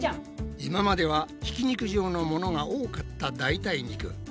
今まではひき肉状のものが多かった代替肉。